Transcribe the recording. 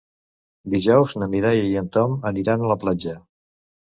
Dijous na Mireia i en Tom aniran a la platja.